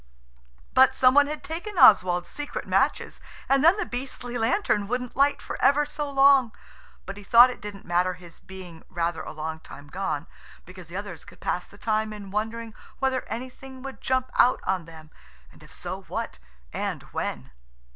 But some one had taken Oswald's secret matches, and then the beastly lantern wouldn't light for ever so long. But he thought it didn't matter his being rather a long time gone, because the others could pass the time in wondering whether anything would jump out on them, and if so, what and when.